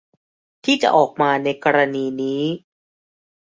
ที่จะออกมาในกรณีนี้